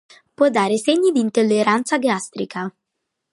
Può dare segni di intolleranza gastrica.